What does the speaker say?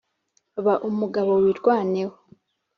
ba umugabo, wirwaneho